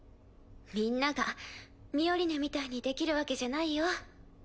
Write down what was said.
みんながミオリネみたいにできるわけじゃないよ。